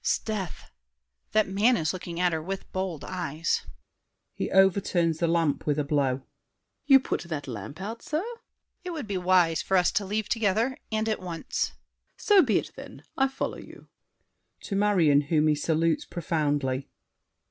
'Sdeath! That man is looking at her with bold eyes. [He overturns the lamp with a blow. SAVERNY. You put the lamp out, sir? DIDIER. It would be wise For us to leave together, and at once. SAVERNY. So be it, then! I follow you! [To Marion, whom he salutes profoundly.